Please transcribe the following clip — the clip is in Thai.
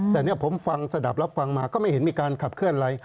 แต่เนี่ยผมฟังสะดับรับฟังมาก็ไม่เห็นมีการขับเคลื่อนอะไร